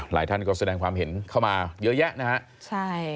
ท่านก็แสดงความเห็นเข้ามาเยอะแยะนะฮะใช่